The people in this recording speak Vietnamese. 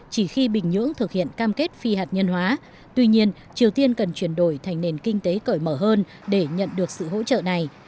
chỉ khi bình nhưỡng thực hiện cam kết phi hạt nhân hóa tuy nhiên triều tiên cần chuyển đổi thành nền kinh tế cởi mở hơn để nhận được sự hỗ trợ này